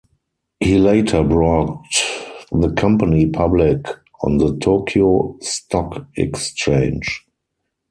He later brought the company public on the Tokyo Stock Exchange.